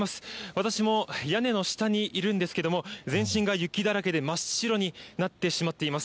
私も屋根の下にいるんですけども、全身が雪だらけで真っ白になってしまっています。